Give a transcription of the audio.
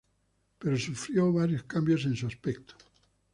Pero sufrió varios cambios en su aspecto.